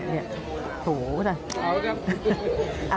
โถเอาละครับ